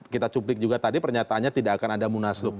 kita cuplik juga tadi pernyataannya tidak akan ada munaslup